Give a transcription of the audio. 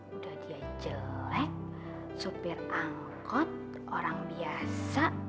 udah dia jelek supir angkot orang biasa